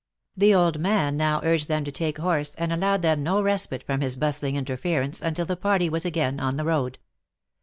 The old man now urged them to take horse, and allowed them no respite from his bustling interference until the party was again on the road.